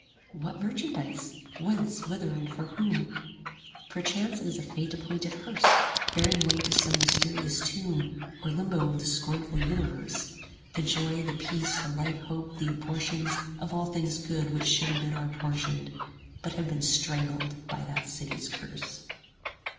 What merchandise? whence, whither, and for whom? 15 Perchance it is a Fate appointed hearse, Bearing away to some mysterious tomb Or Limbo of the scornful universe The joy, the peace, the life hope, the abortions Of all things good which should have been our portions, 20 But have been strangled by that City's curse.